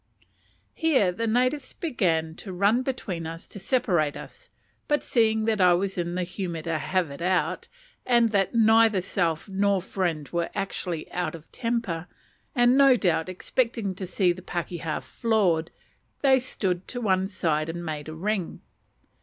Here the natives began to run between us to separate us, but seeing that I was in the humour to "have it out," and that neither self nor friend were actually out of temper and, no doubt, expecting to see the pakeha floored they stood to one side and made a ring.